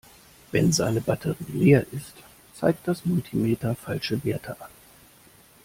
Wenn seine Batterie leer ist, zeigt das Multimeter falsche Messwerte an.